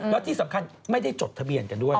แล้วที่สำคัญไม่ได้จดทะเบียนกันด้วย